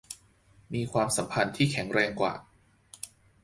มีความสัมพันธ์ที่แข็งแรงกว่า